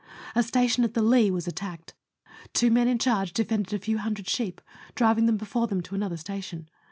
A station at the Leigh was attacked ; two men in charge de fended a few hundred sheep, driving them before them to another station.